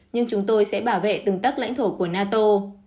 nhưng chúng tôi sẽ bảo vệ từng tắc lãnh thổ của nato